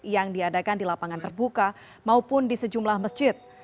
yang diadakan di lapangan terbuka maupun di sejumlah masjid